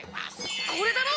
これだろ？